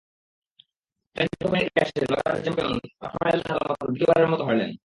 French ওপেনের ইতিহাসে নয়বারের চ্যাম্পিয়নস রাফায়েল নাদাল মাত্র দ্বিতীয়বারের মতো হারলেন।